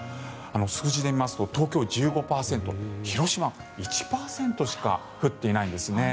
数字で見ますと東京１５％広島１％しか降っていないんですね。